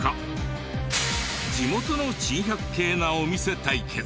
地元の珍百景なお店対決。